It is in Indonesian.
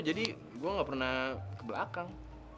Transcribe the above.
gue gak pernah ke belakang